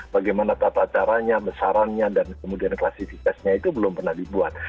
bagaimana tata caranya besarannya dan kemudian klasifikasinya itu belum pernah dibuat